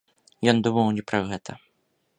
Ён думаў не пра гэта.